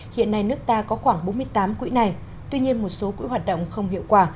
hiện nay nước ta có khoảng bốn mươi tám quỹ này tuy nhiên một số quỹ hoạt động không hiệu quả